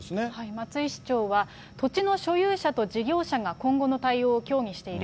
松井市長は、土地の所有者と事業者が今後の対応を協議している。